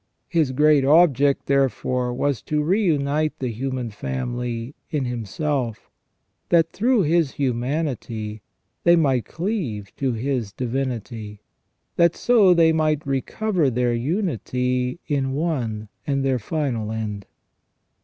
His great object therefore was, to reunite the human family in Himself, that through His humanity they might cleave to His divinity, that so they might recover their unity in one, and their final end.